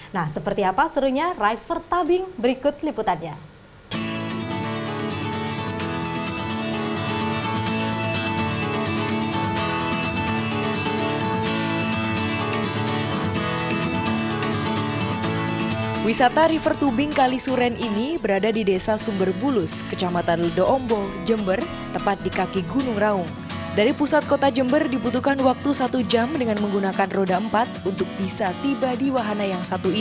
nah seperti apa serunya rifer tubing berikut liputannya